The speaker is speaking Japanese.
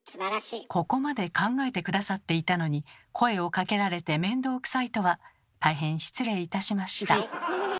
ここまで考えて下さっていたのに声をかけられて面倒くさいとは大変失礼いたしました。